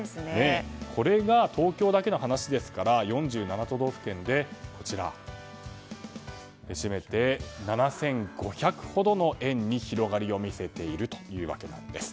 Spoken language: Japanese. これが東京だけの話ですから４７都道府県で７５００ほどの園に広がりを見せていると。